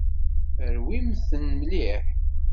Rwimt-ten mliḥ.